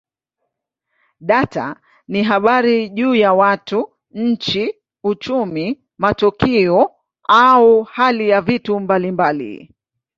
Data ni habari juu ya watu, nchi, uchumi, matukio au hali ya vitu mbalimbali.